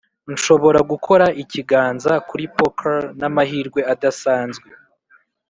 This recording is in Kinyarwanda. nshobora gukora ikiganza kuri poker n'amahirwe adasanzwe